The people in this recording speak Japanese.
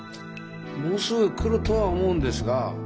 もうすぐ来るとは思うんですが。